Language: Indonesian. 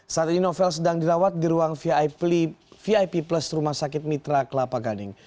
saat ini novel sedang dirawat di ruang vip plus rumah sakit mitra kelapa gading